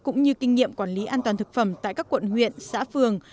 cũng như kinh nghiệm quản lý an toàn thực phẩm tại các quận huyện xã phường